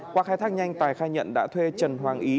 qua khai thác nhanh tài khai nhận đã thuê trần hoàng ý